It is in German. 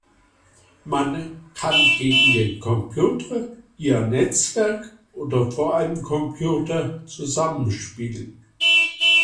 Man kann gegen den Computer, via Netzwerk oder vor einem Computer zusammen spielen.